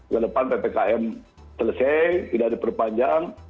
ke depan ppkm selesai tidak diperpanjang